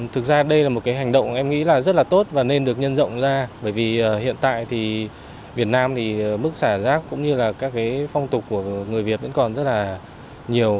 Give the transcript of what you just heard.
thực ra đây là một cái hành động em nghĩ là rất là tốt và nên được nhân rộng ra bởi vì hiện tại thì việt nam thì mức xả rác cũng như là các cái phong tục của người việt vẫn còn rất là nhiều